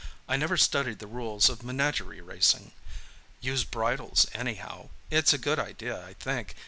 "I never studied the rules of menagerie racing. Use bridles, anyhow. It's a good idea, I think.